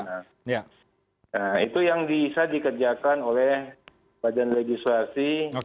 nah itu yang bisa dikerjakan oleh badan legislasi